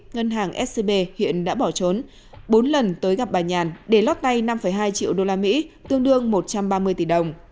ngân hàng scb hiện đã bỏ trốn bốn lần tới gặp bà nhàn để lót tay năm hai triệu usd tương đương một trăm ba mươi tỷ đồng